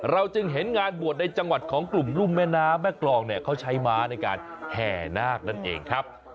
จึงเห็นงานบวชในจังหวัดของกลุ่มรุ่มแม่น้ำแม่กรองเนี่ยเขาใช้ม้าในการแห่นาคนั่นเองครับ